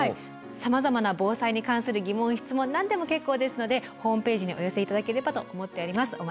さまざまな防災に関する疑問・質問何でも結構ですのでホームページにお寄せ頂ければと思っております。